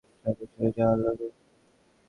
সঠিক সেটাই যা আল্লাহ কুরআনে বলেছেন।